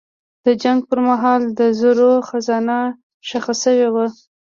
د جنګ پر مهال د زرو خزانه ښخه شوې وه.